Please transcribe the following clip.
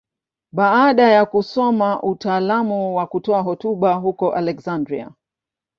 Baada ya kusoma utaalamu wa kutoa hotuba huko Aleksandria.